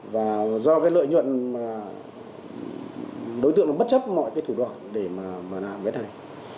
và do lợi nhuận đối tượng bất chấp mọi thủ đoạn để làm cái này